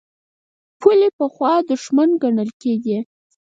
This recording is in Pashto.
پولې پخوا دښمن ګڼل کېدې.